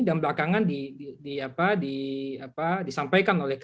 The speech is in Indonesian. dan belakangan disampaikan oleh kpp